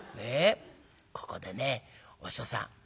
「ここでねお師匠さん